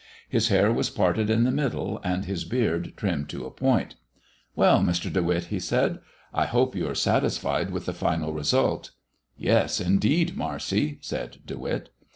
His hair was parted in the middle, and his beard trimmed to a point. "Well, Mr. De Witt," he said, "I hope you are satisfied with the final result." "Yes, indeed, Marcy," said De Witt.